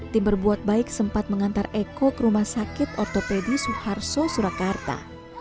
timber buat baik sempat mengantar eko ke rumah sakit ortopedi soeharto surakarta